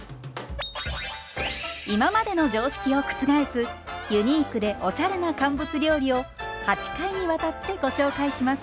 今までの常識を覆すユニークでおしゃれな乾物料理を８回にわたってご紹介します。